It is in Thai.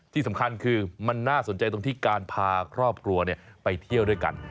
ที่สำคัญคือมันน่าสนใจตรงที่การพาครอบครัวไปเที่ยวด้วยกัน